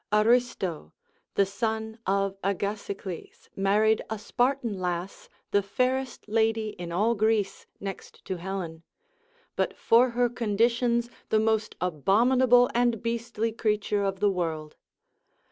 Aristo, the son of Agasicles, married a Spartan lass, the fairest lady in all Greece next to Helen, but for her conditions the most abominable and beastly creature of the world.